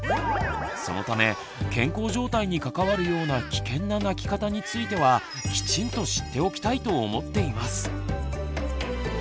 そのため健康状態に関わるような危険な泣き方についてはきちんと知っておきたいと思っています。